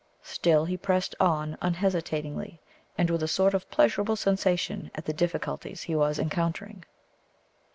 Still, he pressed on unhesitatingly, and with a sort of pleasurable sensation at the difficulties he was encountering.